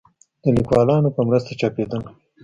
د ليکوالانو په مرسته چاپېدله